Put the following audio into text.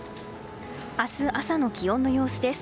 明日朝の気温の様子です。